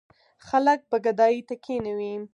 خلک به ګدايۍ ته کېنوي.